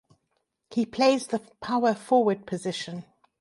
He plays the power forward position.